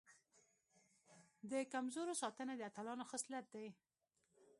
د کمزورو ساتنه د اتلانو خصلت دی.